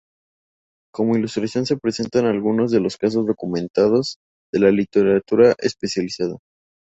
Como ilustración se presentan algunos de los casos documentados en la literatura especializada.